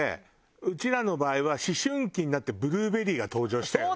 うちらの場合は思春期になってブルーベリーが登場したよね。